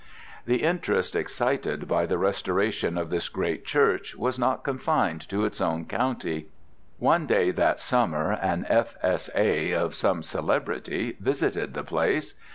The interest excited by the restoration of this great church was not confined to its own county. One day that summer an F.S.A., of some celebrity, visited the place.